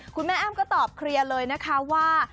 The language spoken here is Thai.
แม่อ้ำก็ตอบเคลียร์เลยนะคะว่า